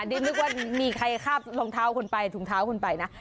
เดี๋ยวนึกว่ามีใครข้าบรองเท้าคนไปถุงเท้าคนไปนะ